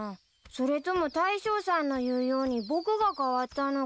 それとも大将さんの言うように僕が変わったのかなぁ。